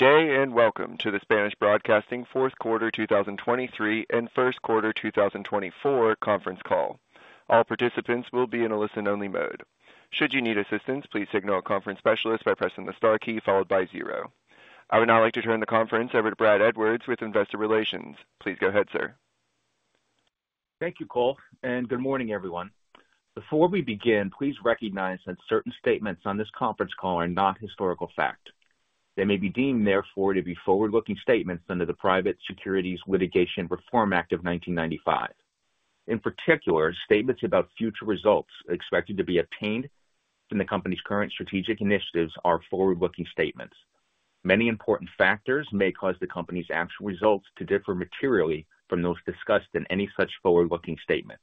Good day, and welcome to the Spanish Broadcasting fourth quarter 2023 and first quarter 2024 conference call. All participants will be in a listen-only mode. Should you need assistance, please signal a conference specialist by pressing the star key followed by zero. I would now like to turn the conference over to Brad Edwards with Investor Relations. Please go ahead, sir. Thank you, Cole, and good morning, everyone. Before we begin, please recognize that certain statements on this conference call are not historical fact. They may be deemed, therefore, to be forward-looking statements under the Private Securities Litigation Reform Act of 1995. In particular, statements about future results expected to be obtained from the company's current strategic initiatives are forward-looking statements. Many important factors may cause the company's actual results to differ materially from those discussed in any such forward-looking statement.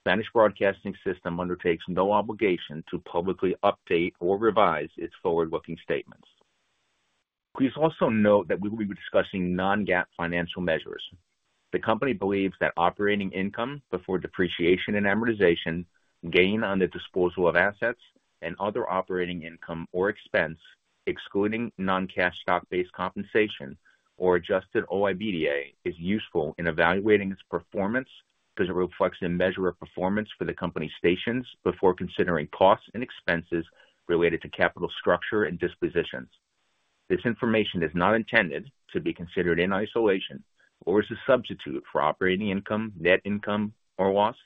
Spanish Broadcasting System undertakes no obligation to publicly update or revise its forward-looking statements. Please also note that we will be discussing non-GAAP financial measures. The company believes that operating income before depreciation and amortization, gain on the disposal of assets and other operating income or expense, excluding non-cash stock-based compensation or Adjusted OIBDA, is useful in evaluating its performance because it reflects a measure of performance for the company's stations before considering costs and expenses related to capital structure and dispositions. This information is not intended to be considered in isolation or as a substitute for operating income, net income, or loss,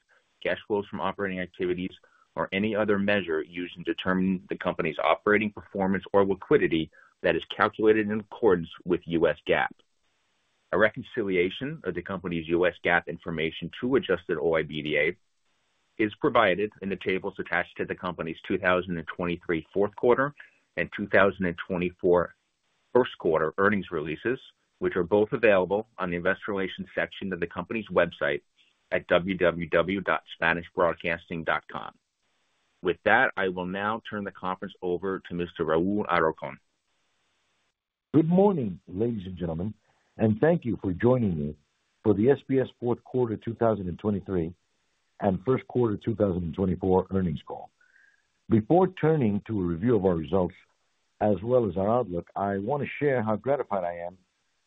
cash flows from operating activities, or any other measure used in determining the company's operating performance or liquidity that is calculated in accordance with U.S. GAAP. A reconciliation of the company's U.S. GAAP information to adjusted OIBDA is provided in the tables attached to the company's 2023 fourth quarter and 2024 first quarter earnings releases, which are both available on the investor relations section of the company's website at www.spanishbroadcasting.com. With that, I will now turn the conference over to Mr. Raúl Alarcón. Good morning, ladies and gentlemen, and thank you for joining me for the SBS fourth quarter 2023 and first quarter 2024 earnings call. Before turning to a review of our results as well as our outlook, I want to share how gratified I am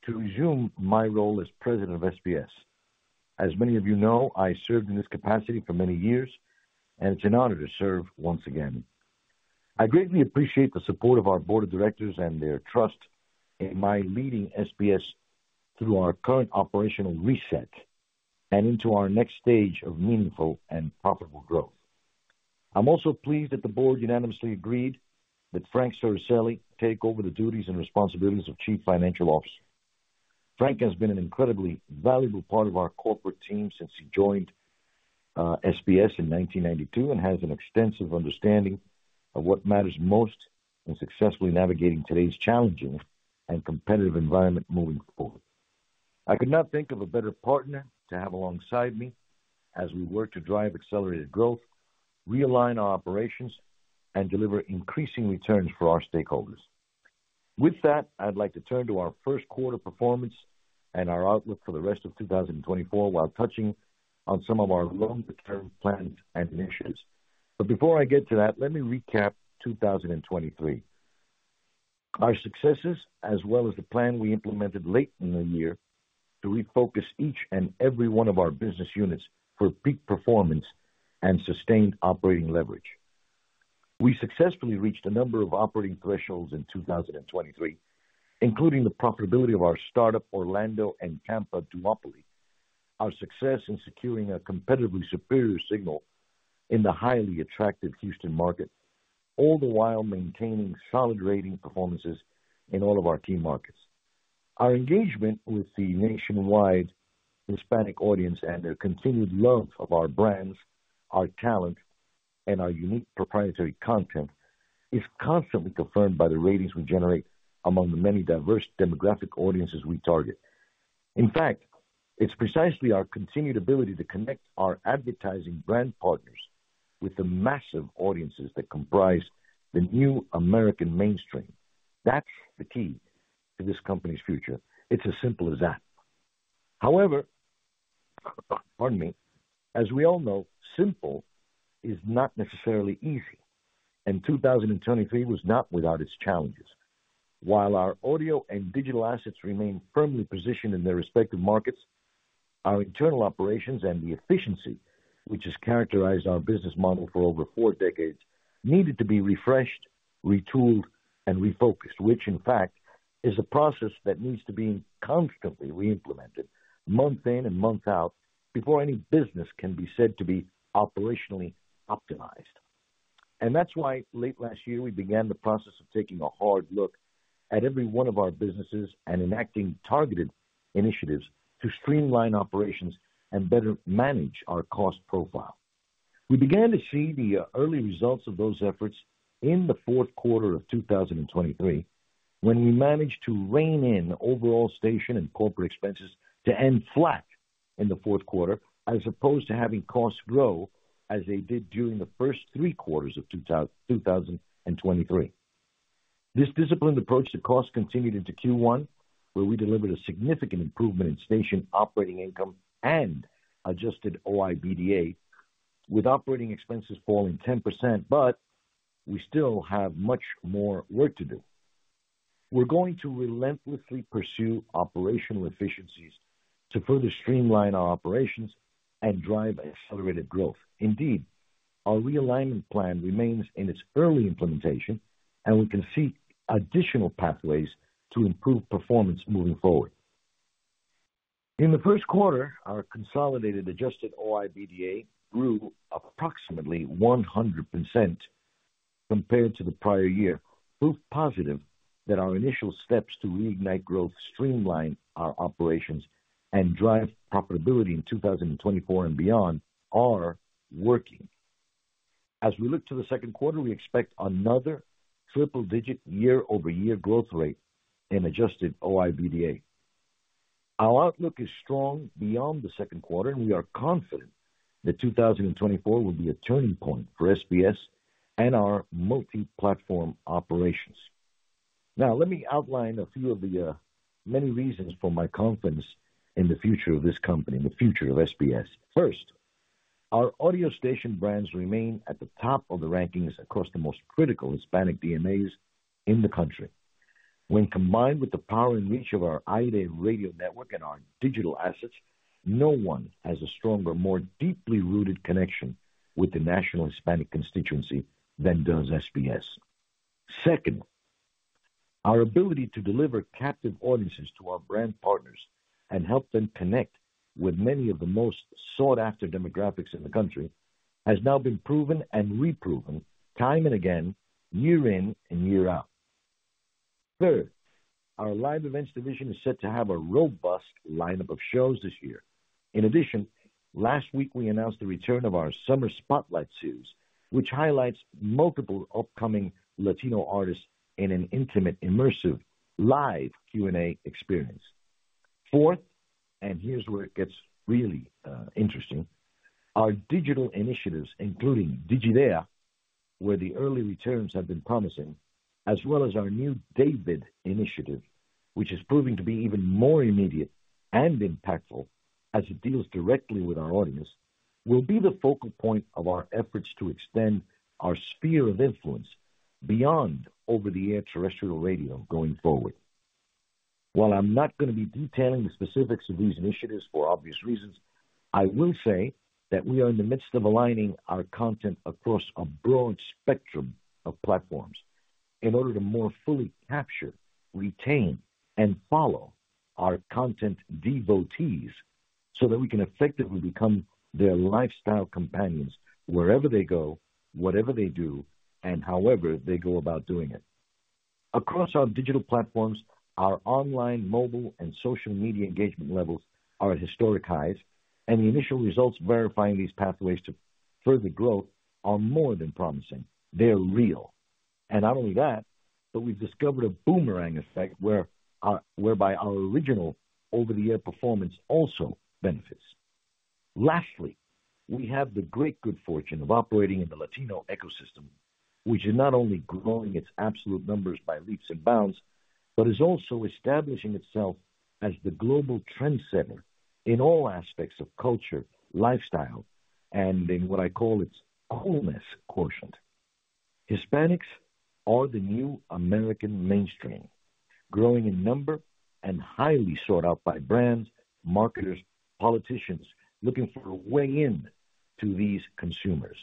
to resume my role as President of SBS. As many of you know, I served in this capacity for many years, and it's an honor to serve once again. I greatly appreciate the support of our board of directors and their trust in my leading SBS through our current operational reset and into our next stage of meaningful and profitable growth. I'm also pleased that the board unanimously agreed that Frank Circelli take over the duties and responsibilities of Chief Financial Officer. Frank has been an incredibly valuable part of our corporate team since he joined SBS in 1992 and has an extensive understanding of what matters most in successfully navigating today's challenging and competitive environment moving forward. I could not think of a better partner to have alongside me as we work to drive accelerated growth, realign our operations, and deliver increasing returns for our stakeholders. With that, I'd like to turn to our first quarter performance and our outlook for the rest of 2024, while touching on some of our long-term plans and initiatives. Before I get to that, let me recap 2023. Our successes, as well as the plan we implemented late in the year to refocus each and every one of our business units for peak performance and sustained operating leverage. We successfully reached a number of operating thresholds in 2023, including the profitability of our startup, Orlando and Tampa duopoly. Our success in securing a competitively superior signal in the highly attractive Houston market, all the while maintaining solid rating performances in all of our key markets. Our engagement with the nationwide Hispanic audience and their continued love of our brands, our talent, and our unique proprietary content is constantly confirmed by the ratings we generate among the many diverse demographic audiences we target. In fact, it's precisely our continued ability to connect our advertising brand partners with the massive audiences that comprise the new American mainstream. That's the key to this company's future. It's as simple as that. However, pardon me. As we all know, simple is not necessarily easy, and 2023 was not without its challenges. While our audio and digital assets remain firmly positioned in their respective markets, our internal operations and the efficiency, which has characterized our business model for over four decades, needed to be refreshed, retooled, and refocused, which in fact, is a process that needs to be constantly re-implemented month in and month out, before any business can be said to be operationally optimized. That's why late last year, we began the process of taking a hard look at every one of our businesses and enacting targeted initiatives to streamline operations and better manage our cost profile. We began to see the early results of those efforts in the fourth quarter of 2023, when we managed to rein in overall station and corporate expenses to end flat in the fourth quarter, as opposed to having costs grow as they did during the first three quarters of 2023. This disciplined approach to costs continued into Q1, where we delivered a significant improvement in station operating income and Adjusted OIBDA, with operating expenses falling 10%, but we still have much more work to do. We're going to relentlessly pursue operational efficiencies to further streamline our operations and drive accelerated growth. Indeed, our realignment plan remains in its early implementation, and we can see additional pathways to improve performance moving forward. In the first quarter, our consolidated adjusted OIBDA grew approximately 100% compared to the prior year, proof positive that our initial steps to reignite growth, streamline our operations, and drive profitability in 2024 and beyond are working. As we look to the second quarter, we expect another triple-digit year-over-year growth rate in adjusted OIBDA. Our outlook is strong beyond the second quarter, and we are confident that 2024 will be a turning point for SBS and our multi-platform operations. Now, let me outline a few of the, many reasons for my confidence in the future of this company, in the future of SBS. First, our audio station brands remain at the top of the rankings across the most critical Hispanic DMAs in the country. When combined with the power and reach of our Aire Radio network and our digital assets, no one has a stronger, more deeply rooted connection with the national Hispanic constituency than does SBS. Second, our ability to deliver captive audiences to our brand partners and help them connect with many of the most sought-after demographics in the country has now been proven and reproven time and again, year in and year out. Third, our live events division is set to have a robust lineup of shows this year. In addition, last week, we announced the return of our Summer Spotlight Series, which highlights multiple upcoming Latino artists in an intimate, immersive live Q&A experience. Fourth, and here's where it gets really, interesting, our digital initiatives, including DigIdea, where the early returns have been promising, as well as our new Data initiative, which is proving to be even more immediate and impactful as it deals directly with our audience, will be the focal point of our efforts to extend our sphere of influence beyond over-the-air terrestrial radio going forward. While I'm not going to be detailing the specifics of these initiatives for obvious reasons, I will say that we are in the midst of aligning our content across a broad spectrum of platforms in order to more fully capture, retain, and follow our content devotees, so that we can effectively become their lifestyle companions wherever they go, whatever they do, and however they go about doing it. Across our digital platforms, our online, mobile, and social media engagement levels are at historic highs, and the initial results verifying these pathways to further growth are more than promising. They're real. And not only that, but we've discovered a boomerang effect, whereby our original over-the-air performance also benefits. Lastly, we have the great good fortune of operating in the Latino ecosystem, which is not only growing its absolute numbers by leaps and bounds, but is also establishing itself as the global trendsetter in all aspects of culture, lifestyle, and in what I call its wholeness quotient. Hispanics are the new American mainstream, growing in number and highly sought out by brands, marketers, politicians, looking for a way into these consumers.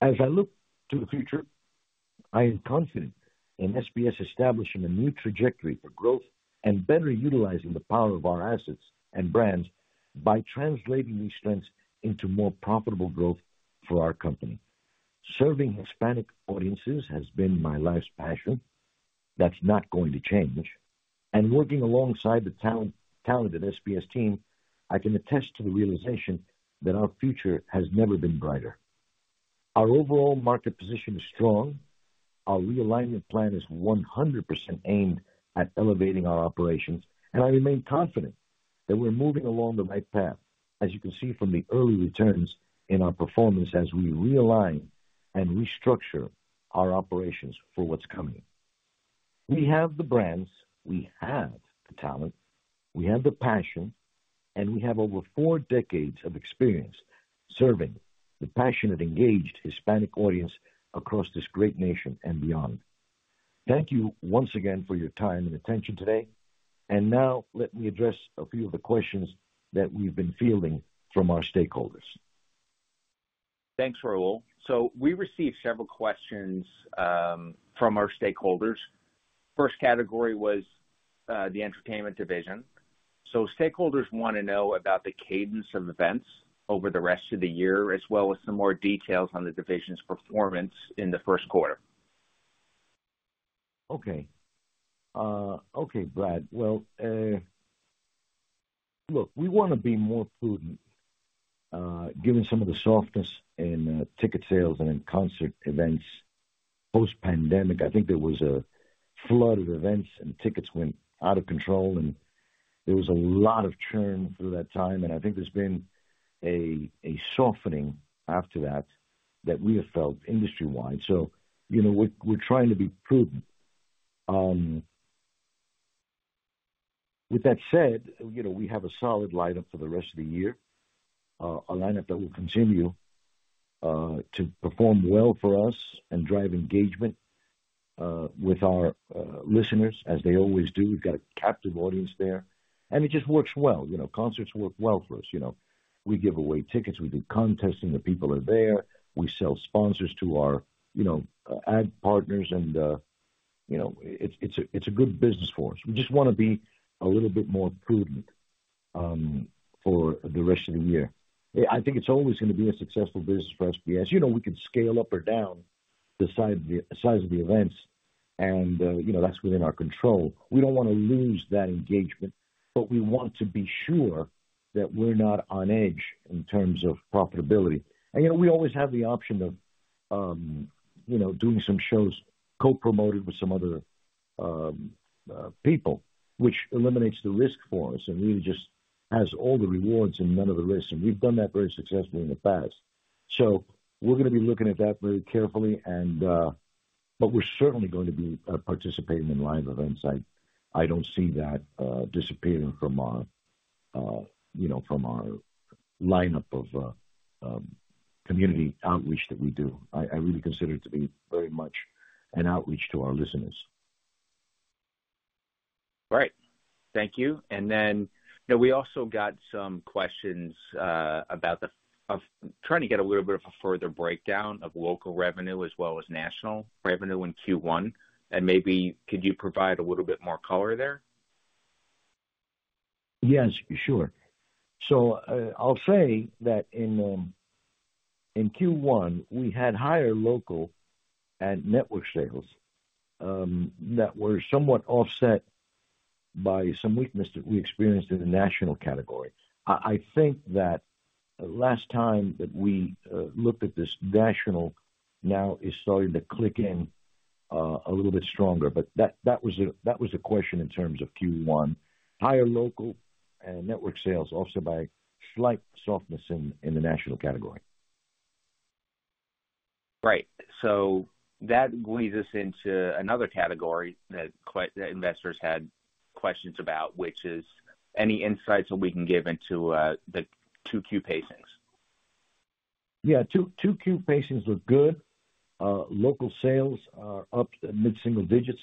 As I look to the future, I am confident in SBS establishing a new trajectory for growth and better utilizing the power of our assets and brands by translating these strengths into more profitable growth for our company. Serving Hispanic audiences has been my life's passion. That's not going to change. And working alongside the talent, talented SBS team, I can attest to the realization that our future has never been brighter. Our overall market position is strong. Our realignment plan is 100% aimed at elevating our operations, and I remain confident that we're moving along the right path, as you can see from the early returns in our performance as we realign and restructure our operations for what's coming. We have the brands, we have the talent, we have the passion, and we have over four decades of experience serving the passionate, engaged Hispanic audience across this great nation and beyond. Thank you once again for your time and attention today. And now let me address a few of the questions that we've been fielding from our stakeholders. Thanks, Raul. So we received several questions from our stakeholders. First category was the entertainment division. So stakeholders want to know about the cadence of events over the rest of the year, as well as some more details on the division's performance in the first quarter. Okay. Okay, Brad. Well, look, we want to be more prudent, given some of the softness in ticket sales and in concert events post-pandemic. I think there was a flood of events and tickets went out of control, and there was a lot of churn through that time, and I think there's been a softening after that, that we have felt industry-wide. So, you know, we're trying to be prudent. With that said, you know, we have a solid lineup for the rest of the year, a lineup that will continue to perform well for us and drive engagement with our listeners, as they always do. We've got a captive audience there, and it just works well. You know, concerts work well for us. You know, we give away tickets, we do contests, and the people are there. We sell sponsors to our, you know, ad partners, and, you know, it's a good business for us. We just wanna be a little bit more prudent for the rest of the year. I think it's always gonna be a successful business for SBS. You know, we can scale up or down the size of the events and, you know, that's within our control. We don't wanna lose that engagement, but we want to be sure that we're not on edge in terms of profitability. And, you know, we always have the option of, you know, doing some shows co-promoted with some other people, which eliminates the risk for us and really just has all the rewards and none of the risks, and we've done that very successfully in the past. So we're gonna be looking at that very carefully, but we're certainly going to be participating in live events. I, I don't see that disappearing from our, you know, from our lineup of community outreach that we do. I, I really consider it to be very much an outreach to our listeners. Right. Thank you. And then, we also got some questions about trying to get a little bit of a further breakdown of local revenue as well as national revenue in Q1, and maybe could you provide a little bit more color there? Yes, sure. So, I'll say that in Q1, we had higher local and network sales that were somewhat offset by some weakness that we experienced in the national category. I think that the last time that we looked at this, national now is starting to click in a little bit stronger, but that was a question in terms of Q1. Higher local and network sales, offset by slight softness in the national category. Right. So that leads us into another category that investors had questions about, which is any insights that we can give into the 2Q pacings? Yeah, 2Q pacings look good. Local sales are up mid-single digits,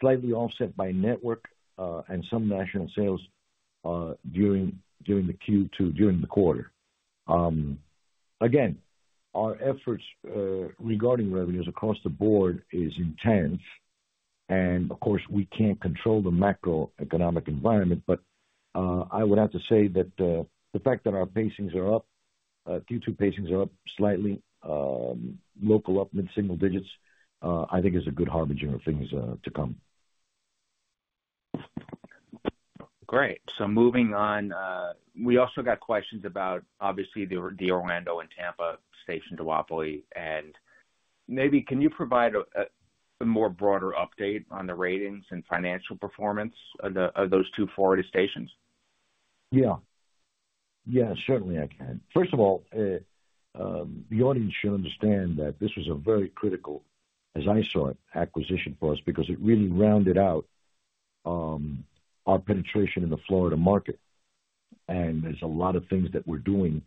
slightly offset by network and some national sales during the Q2, during the quarter. Again, our efforts regarding revenues across the board is intense, and of course, we can't control the macroeconomic environment, but I would have to say that the fact that our pacings are up, Q2 pacings are up slightly, local up mid-single digits, I think is a good harbinger of things to come. Great. So moving on, we also got questions about, obviously, the Orlando and Tampa station duopoly, and maybe can you provide a more broader update on the ratings and financial performance of those two Florida stations? Yeah. Yeah, certainly I can. First of all, the audience should understand that this was a very critical, as I saw it, acquisition for us because it really rounded out, our penetration in the Florida market. And there's a lot of things that we're doing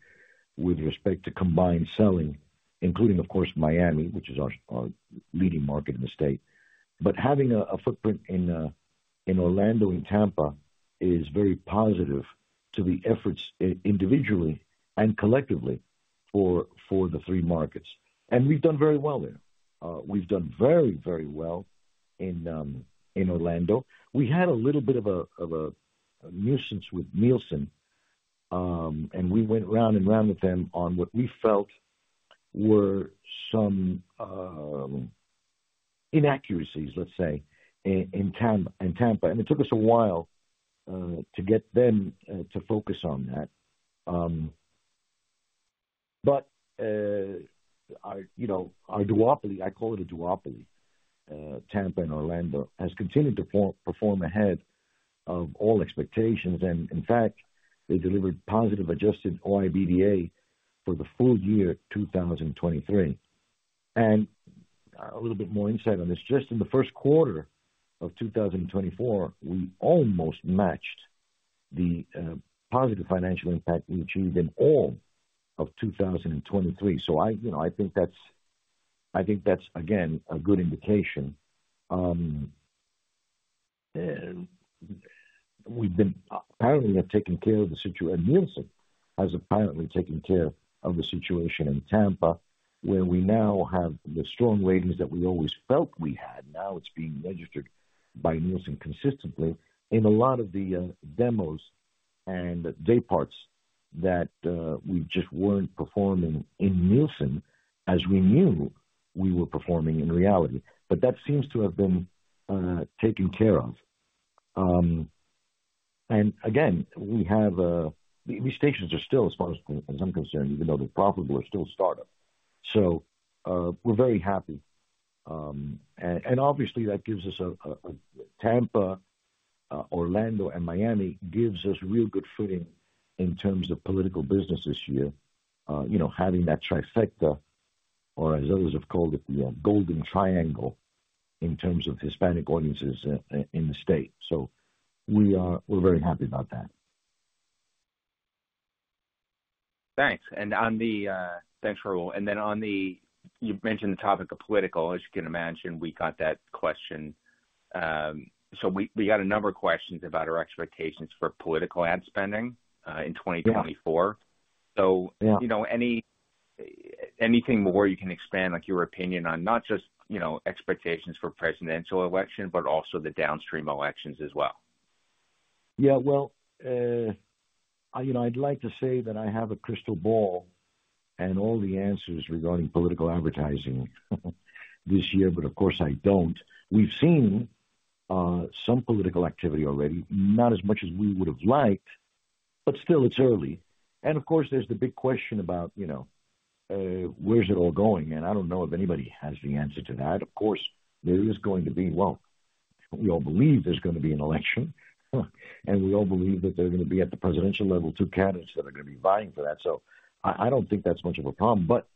with respect to combined selling, including, of course, Miami, which is our leading market in the state. But having a footprint in Orlando and Tampa is very positive to the efforts individually and collectively for the three markets. And we've done very well there. We've done very, very well in Orlando. We had a little bit of a nuisance with Nielsen, and we went round and round with them on what we felt were some inaccuracies, let's say, in Tampa. It took us a while to get them to focus on that. But, you know, our duopoly, I call it a duopoly, Tampa and Orlando, has continued to perform ahead of all expectations. In fact, they delivered positive adjusted OIBDA for the full year 2023. A little bit more insight on this: just in the first quarter of 2024, we almost matched the positive financial impact we achieved in all of 2023. So I, you know, I think that's, I think that's, again, a good indication. We've apparently taken care of the situation, and Nielsen has apparently taken care of the situation in Tampa, where we now have the strong ratings that we always felt we had. Now it's being registered by Nielsen consistently in a lot of the, demos and day parts that, we just weren't performing in Nielsen as we knew we were performing in reality. But that seems to have been taken care of. And again, we have, these stations are still, as far as I'm concerned, even though they're profitable, are still startup. So, we're very happy. And, and obviously, that gives us a Tampa, Orlando and Miami gives us real good footing in terms of political business this year. You know, having that trifecta or as others have called it, the golden triangle in terms of Hispanic audiences, in the state. So we are, we're very happy about that. Thanks. And on the, thanks, Raul. And then on the, you've mentioned the topic of political. As you can imagine, we got that question. So we, we got a number of questions about our expectations for political ad spending, in 2024. Yeah. So- Yeah. You know, anything more you can expand, like your opinion on, not just, you know, expectations for presidential election, but also the downstream elections as well? Yeah, well, you know, I'd like to say that I have a crystal ball and all the answers regarding political advertising this year, but of course I don't. We've seen some political activity already, not as much as we would've liked, but still it's early. And of course, there's the big question about, you know, where's it all going? And I don't know if anybody has the answer to that. Of course, there is going to be, well, we all believe there's gonna be an election, and we all believe that they're gonna be at the presidential level, two candidates that are gonna be vying for that. So I don't think that's much of a problem, but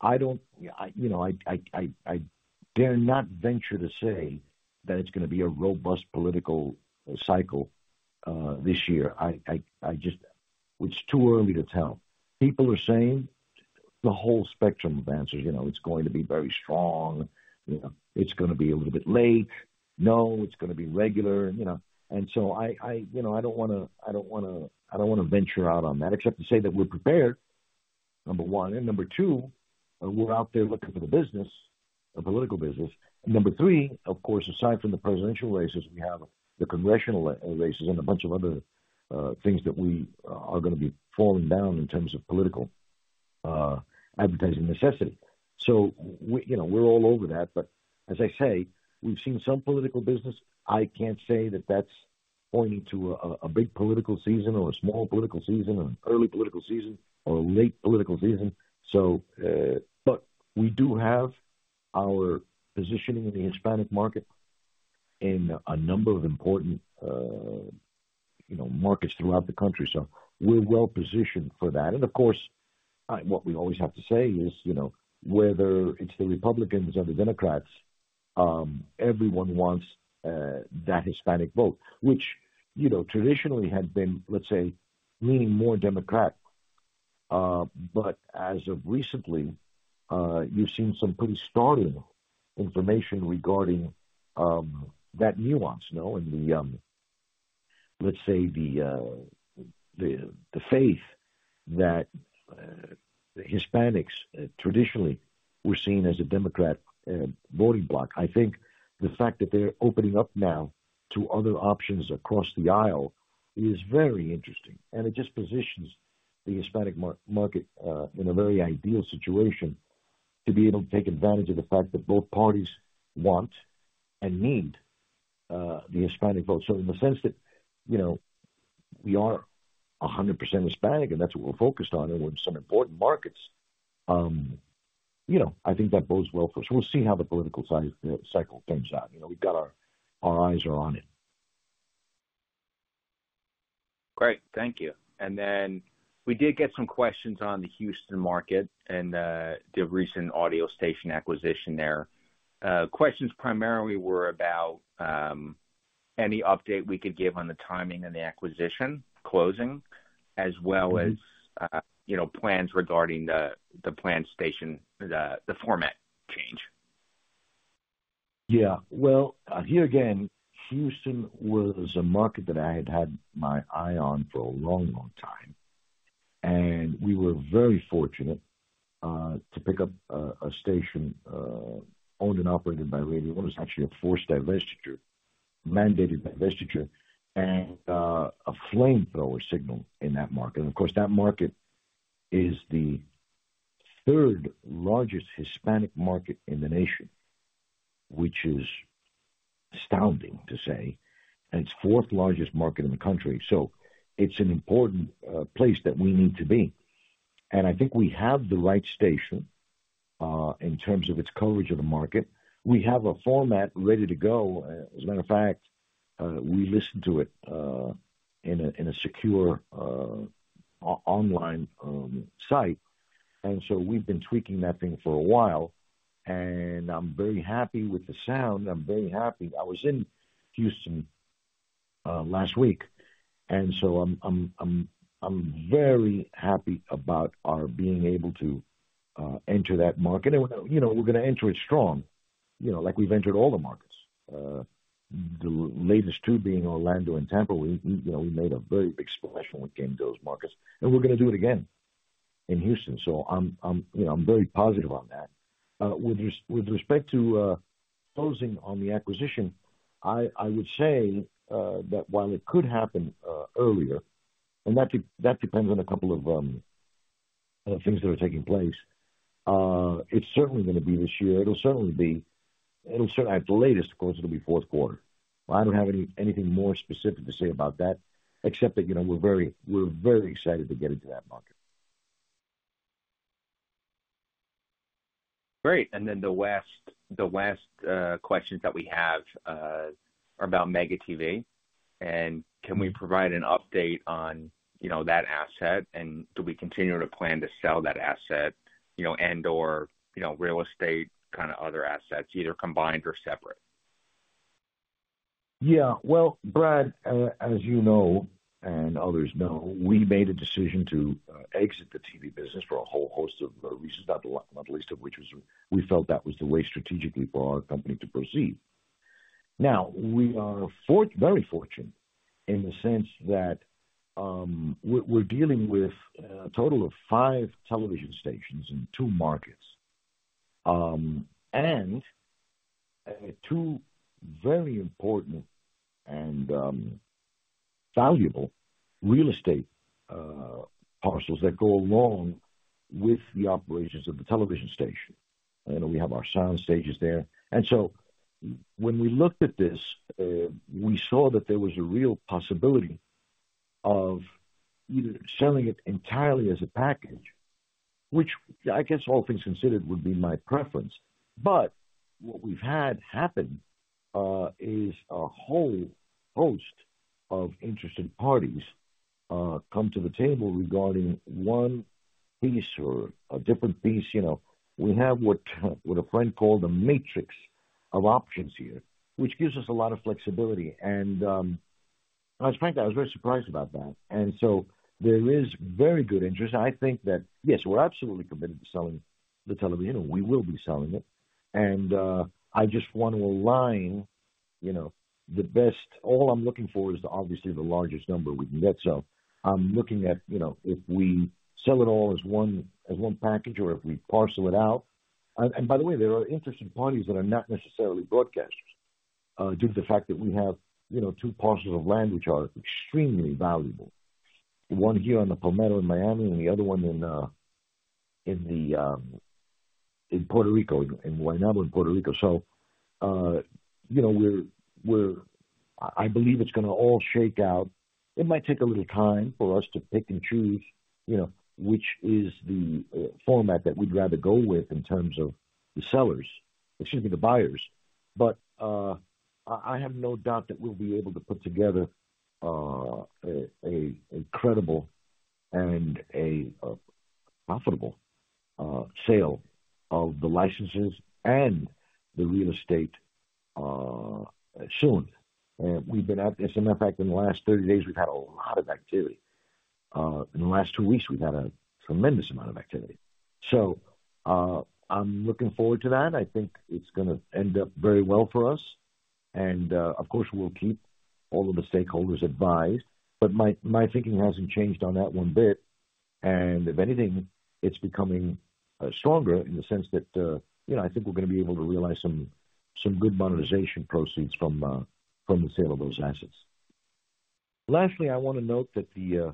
I don't. You know, I dare not venture to say that it's gonna be a robust political cycle this year. It's too early to tell. People are saying the whole spectrum of answers, you know, it's going to be very strong, you know, it's gonna be a little bit late. No, it's gonna be regular, you know. And so, you know, I don't wanna venture out on that, except to say that we're prepared, number one, and number two, we're out there looking for the business, the political business. And number three, of course, aside from the presidential races, we have the congressional races and a bunch of other things that we are gonna be falling down in terms of political advertising necessity. So we, you know, we're all over that, but as I say, we've seen some political business. I can't say that that's pointing to a big political season or a small political season, or an early political season or a late political season. So, but we do have our positioning in the Hispanic market in a number of important, you know, markets throughout the country. So we're well positioned for that. And of course, what we always have to say is, you know, whether it's the Republicans or the Democrats, everyone wants that Hispanic vote, which, you know, traditionally had been, let's say, leaning more Democrat. But as of recently, you've seen some pretty startling information regarding that nuance, you know, and the, let's say the faith that Hispanics traditionally were seen as a Democrat voting bloc. I think the fact that they're opening up now to other options across the aisle is very interesting, and it just positions the Hispanic market in a very ideal situation, to be able to take advantage of the fact that both parties want and need the Hispanic vote. So in the sense that, you know, we are 100% Hispanic, and that's what we're focused on and in some important markets, you know, I think that bodes well for us. We'll see how the political cycle turns out. You know, we've got our eyes are on it. Great. Thank you. And then we did get some questions on the Houston market and the recent audio station acquisition there. Questions primarily were about any update we could give on the timing and the acquisition closing, as well as- Mm-hmm. you know, plans regarding the planned station, the format change. Yeah. Well, here again, Houston was a market that I had had my eye on for a long, long time, and we were very fortunate to pick up a station owned and operated by Radio One. It's actually a forced divestiture, mandated divestiture and a flamethrower signal in that market. And of course, that market is the third largest Hispanic market in the nation, which is astounding to say, and it's fourth largest market in the country. So it's an important place that we need to be. And I think we have the right station in terms of its coverage of the market. We have a format ready to go. As a matter of fact, we listened to it in a secure online site, and so we've been tweaking that thing for a while, and I'm very happy with the sound. I'm very happy. I was in Houston last week, and so I'm very happy about our being able to enter that market. And, you know, we're gonna enter it strong, you know, like we've entered all the markets. The latest two being Orlando and Tampa. We, you know, we made a very big splash when we came to those markets, and we're gonna do it again in Houston. So I'm, you know, I'm very positive on that. With respect to closing on the acquisition, I would say that while it could happen earlier, and that depends on a couple of things that are taking place, it's certainly gonna be this year. It'll certainly be. At the latest, of course, it'll be fourth quarter. I don't have anything more specific to say about that, except that, you know, we're very excited to get into that market. Great, and then the last questions that we have are about Mega TV.... And can we provide an update on, you know, that asset? And do we continue to plan to sell that asset, you know, and, or, you know, real estate, kind of other assets, either combined or separate? Yeah. Well, Brad, as you know and others know, we made a decision to exit the TV business for a whole host of reasons, not the least of which is we felt that was the way strategically for our company to proceed. Now, we are very fortunate in the sense that, we're dealing with a total of five television stations in two markets, and two very important and valuable real estate parcels that go along with the operations of the television station. You know, we have our sound stages there. And so when we looked at this, we saw that there was a real possibility of either selling it entirely as a package, which I guess, all things considered, would be my preference. But what we've had happen, is a whole host of interested parties, come to the table regarding one piece or a different piece, you know. We have what a friend called a matrix of options here, which gives us a lot of flexibility. And, and I was frank, I was very surprised about that. And so there is very good interest. I think that, yes, we're absolutely committed to selling the television, and we will be selling it. And, I just want to align, you know, the best... All I'm looking for is obviously the largest number we can get. So I'm looking at, you know, if we sell it all as one, as one package or if we parcel it out. And by the way, there are interested parties that are not necessarily broadcasters, due to the fact that we have, you know, two parcels of land, which are extremely valuable. One here on the Palmetto in Miami and the other one in Puerto Rico, in Guaynabo, in Puerto Rico. So, you know, I believe it's gonna all shake out. It might take a little time for us to pick and choose, you know, which is the format that we'd rather go with in terms of the sellers. Excuse me, the buyers. But, I have no doubt that we'll be able to put together an incredible and a profitable sale of the licenses and the real estate, soon. And we've been at... As a matter of fact, in the last 30 days, we've had a lot of activity. In the last two weeks, we've had a tremendous amount of activity. So, I'm looking forward to that. I think it's gonna end up very well for us, and, of course, we'll keep all of the stakeholders advised. But my thinking hasn't changed on that one bit, and if anything, it's becoming stronger in the sense that, you know, I think we're gonna be able to realize some good monetization proceeds from the sale of those assets. Lastly, I wanna note that the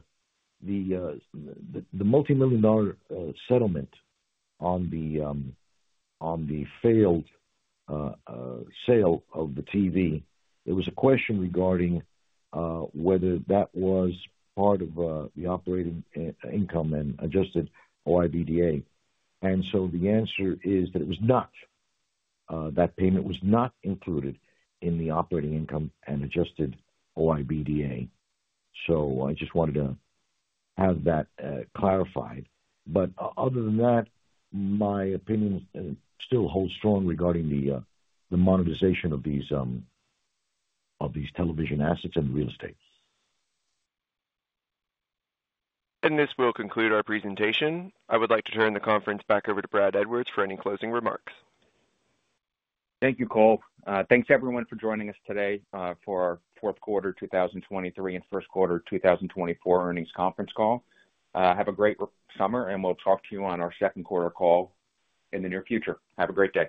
multimillion-dollar settlement on the failed sale of the TV. There was a question regarding whether that was part of the operating income and Adjusted OIBDA. And so the answer is that it was not. That payment was not included in the operating income and Adjusted OIBDA. So I just wanted to have that clarified. But other than that, my opinion still holds strong regarding the monetization of these television assets and real estate. This will conclude our presentation. I would like to turn the conference back over to Brad Edwards for any closing remarks. Thank you, Cole. Thanks, everyone, for joining us today, for our fourth quarter, 2023 and first quarter, 2024 earnings conference call. Have a great summer, and we'll talk to you on our second quarter call in the near future. Have a great day.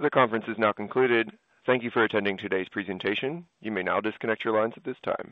The conference is now concluded. Thank you for attending today's presentation. You may now disconnect your lines at this time.